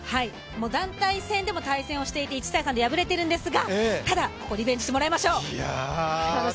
団体戦でも対戦をしていて１−３で敗れているんですがただ、ここでリベンジしてもらいましょう。